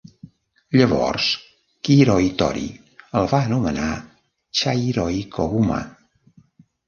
Llavors, Kiiroitori el va anomenar Chairoikoguma.